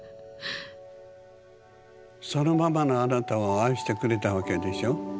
そのままのあなたを愛してくれたわけでしょ？